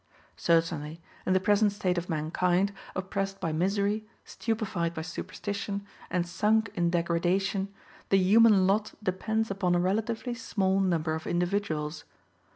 Certainly, in the present state of mankind, oppressed by misery, stupefied by superstition and sunk in degradation, the human lot depends upon a relatively small number of individuals.